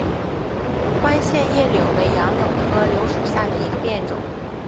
宽线叶柳为杨柳科柳属下的一个变种。